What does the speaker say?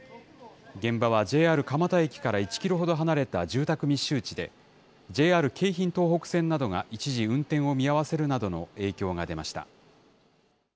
現場はＪＲ蒲田駅から１キロほど離れた住宅密集地で、ＪＲ京浜東北線などが一時、運転を見合わせるなどの影響が出ました。